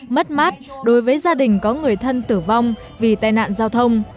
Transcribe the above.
mất mát đối với gia đình có người thân tử vong vì tai nạn giao thông